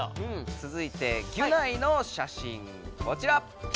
つづいてギュナイの写真こちら！